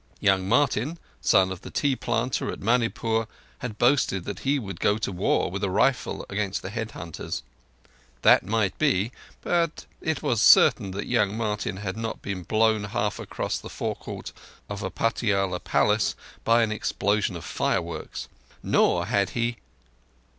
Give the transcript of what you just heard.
Young Martin, son of the tea planter at Manipur, had boasted that he would go to war, with a rifle, against the head hunters. That might be, but it was certain young Martin had not been blown half across the forecourt of a Patiala palace by an explosion of fireworks; nor had he...